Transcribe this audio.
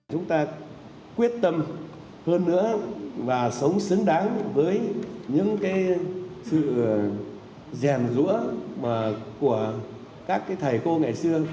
chúng ta quyết tâm hơn nữa và sống xứng đáng với những sự rèn rũa của các thầy cô ngày xưa